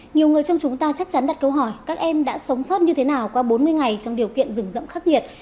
nhiều người trong chúng ta chắc chắn đặt câu hỏi các em đã sống sót như thế nào qua bốn mươi ngày trong điều kiện rừng khắc nghiệt